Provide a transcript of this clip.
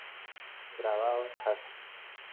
Grabado en casa.